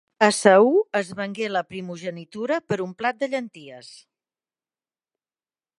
Esaú es vengué la primogenitura per un plat de llentilles.